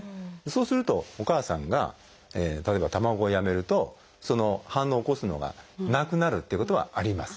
そうするとお母さんが例えば卵をやめるとその反応を起こすのがなくなるっていうことはあります。